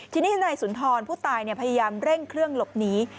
ที่นี่ในศูนย์ธรรมผู้ตายพยายามเร่งเครื่องหลบหนี